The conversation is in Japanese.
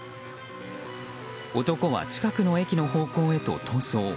男は近くの駅の方向へと逃走。